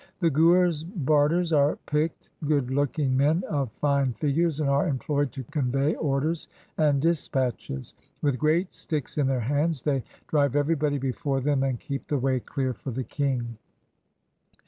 The gourze berdars are picked, good looking men, of fine figures, and are employed to convey orders and dispatches. With great sticks in their hands they drive everybody before them, and keep the way clear for the king.